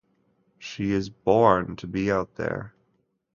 She's born to be out there.